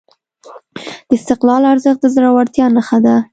د استقلال ارزښت د زړورتیا نښه ده.